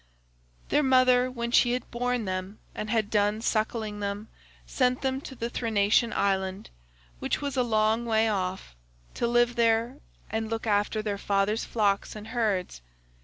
Their mother when she had borne them and had done suckling them sent them to the Thrinacian island, which was a long way off, to live there and look after their father's flocks and herds.